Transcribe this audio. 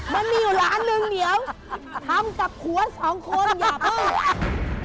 มันมีอยู่ร้านหนึ่งเดี๋ยวทำกับผัวสองคนอย่าเพิ่ง